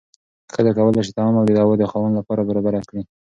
ښځه کولی شي طعام او دوا د خاوند لپاره برابره کړي.